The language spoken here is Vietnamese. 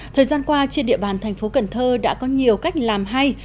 thời gian qua trên địa bàn thành phố cần thơ đã có nhiều cách làm hay